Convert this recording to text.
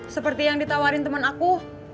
seperti yang ditawarin temen aku